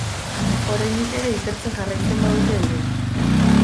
Oraindik ere ikertzen jarraitzen badute ere.